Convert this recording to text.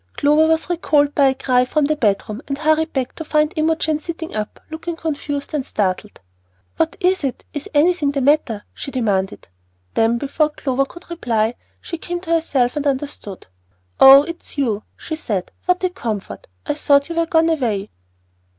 Clover was recalled by a cry from the bedroom, and hurried back to find Imogen sitting up, looking confused and startled. "What is it? Is anything the matter?" she demanded. Then, before Clover could reply, she came to herself and understood. "Oh, it is you," she said. "What a comfort! I thought you were gone away."